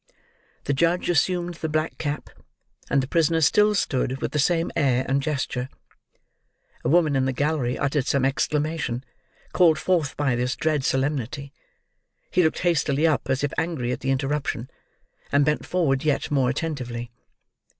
The judge assumed the black cap, and the prisoner still stood with the same air and gesture. A woman in the gallery, uttered some exclamation, called forth by this dread solemnity; he looked hastily up as if angry at the interruption, and bent forward yet more attentively.